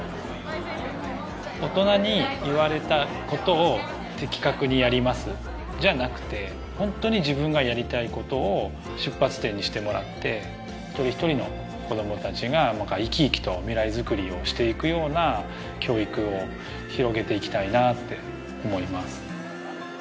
大人に言われたことを的確にやりますじゃなくてホントに自分がやりたいことを出発点にしてもらって一人一人の子どもたちがなんか生き生きと未来づくりをしていくような教育を広げていきたいなって思います